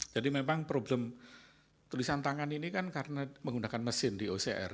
jadi memang problem tulisan tangan ini kan karena menggunakan mesin di ocr